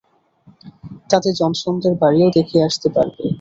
তাতে জনসনদের বাড়িও দেখে আসতে পারবে।